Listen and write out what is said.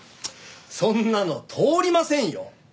そんなの通りませんよ！